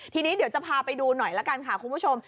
ทีนี้เดี๋ยวจะพาไปดูหน่อยละกันค่ะคุณผู้ชม